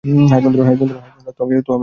High বন্ধুরা, তো আমি আকাশ।